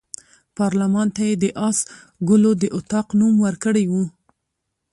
پارلمان ته یې د آس ګلو د اطاق نوم ورکړی وو.